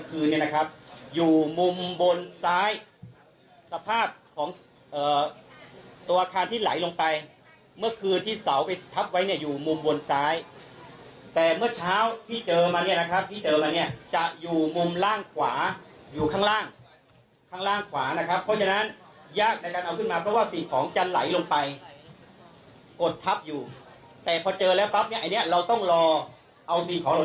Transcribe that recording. คืนเนี่ยนะครับอยู่มุมบนซ้ายสภาพของตัวอาคารที่ไหลลงไปเมื่อคืนที่เสาไปทับไว้เนี่ยอยู่มุมบนซ้ายแต่เมื่อเช้าที่เจอมาเนี่ยนะครับที่เจอมาเนี่ยจะอยู่มุมล่างขวาอยู่ข้างล่างข้างล่างขวานะครับเพราะฉะนั้นยากในการเอาขึ้นมาเพราะว่าสิ่งของจะไหลลงไปกดทับอยู่แต่พอเจอแล้วปั๊บเนี่ยอันนี้เราต้องรอเอาสิ่งของ